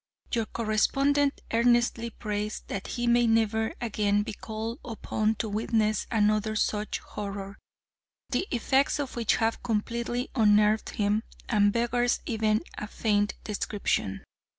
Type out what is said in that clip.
Your correspondent earnestly prays that he may never again be called upon to witness another such horror, the effects of which have completely unnerved him and beggars even a faint description.